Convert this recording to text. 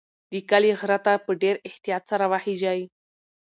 د کلي غره ته په ډېر احتیاط سره وخیژئ.